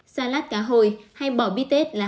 salad cá hôi hay bò bít tết